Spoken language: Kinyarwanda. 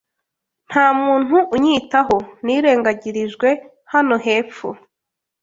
Ntamuntu unyitaho, nirengagirijwe hano hepfo